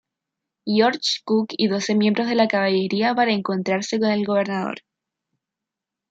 George Cooke y doce miembros de la caballería para encontrarse con el gobernador.